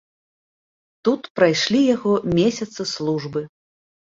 Тут прайшлі яго месяцы службы.